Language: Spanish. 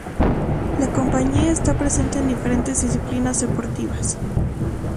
La compañía está presente en diferentes disciplinas deportivas.